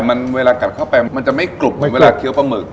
มันเวลากัดเข้าไปมันจะไม่กรุบเหมือนเวลาเคี้ยวปลาหมึก